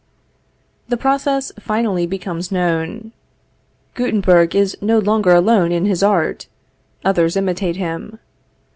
The process finally becomes known. Guttenberg is no longer alone in his art; others imitate him.